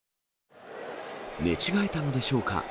寝違えたのでしょうか。